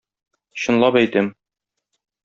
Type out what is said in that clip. Чынлап әйтәм.